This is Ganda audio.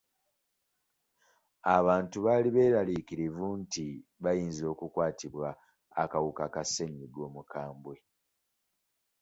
Abantu baali beeraliikirivu nti bayinza okukwatibwa akawuka ka ssenyiga omukambwe.